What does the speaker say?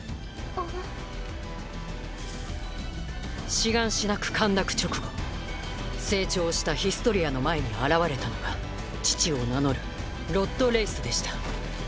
シガンシナ区陥落直後成長したヒストリアの前に現れたのが父を名乗るロッド・レイスでした。